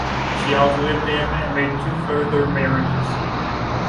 She outlived him and made two further marriages.